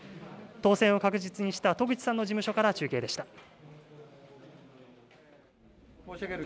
当選を確実にした渡具知さんの事務所から中継でした。